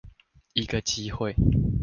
一個機會